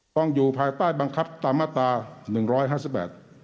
ต้องอยู่ภายใต้บังคับตามมาตรา๑๕๘บ๔